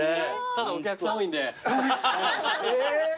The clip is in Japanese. ただお客さん多いんで。え！？